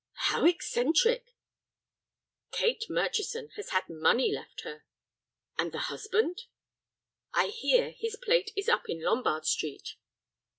"How eccentric!" "Kate Murchison has had money left her." "And the husband?" "I hear his plate is up in Lombard Street."